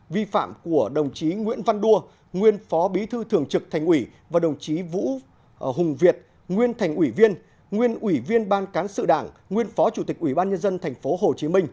vi phạm của đồng chí nguyễn văn đua nguyên phó bí thư thường trực thành ủy và đồng chí vũ hùng việt nguyên thành ủy viên nguyên ủy viên ban cán sự đảng nguyên phó chủ tịch ủy ban nhân dân tp hcm